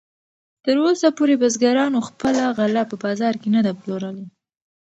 تراوسه پورې بزګرانو خپله غله په بازار کې نه ده پلورلې.